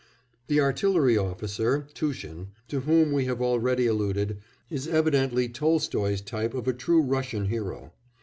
The artillery officer, Tushin, to whom we have already alluded, is evidently Tolstoy's type of a true Russian hero.